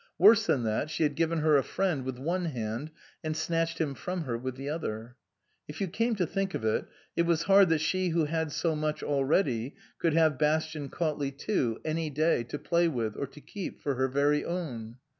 Worse than that, she had given her a friend with one hand and snatched him from her with the other. (If you came to think of it, it was hard that she who had so much already could have Bastian Cautley too, any day, to play with, or to keep for her very own.